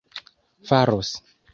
faros